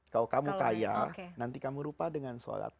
kalau kamu kaya nanti kamu rupa dengan sholat